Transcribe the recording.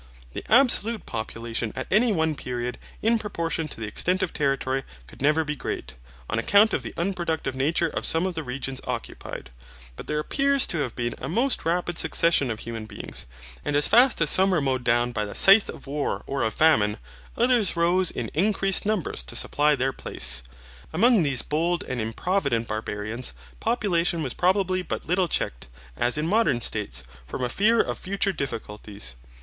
The absolute population at any one period, in proportion to the extent of territory, could never be great, on account of the unproductive nature of some of the regions occupied; but there appears to have been a most rapid succession of human beings, and as fast as some were mowed down by the scythe of war or of famine, others rose in increased numbers to supply their place. Among these bold and improvident Barbarians, population was probably but little checked, as in modern states, from a fear of future difficulties.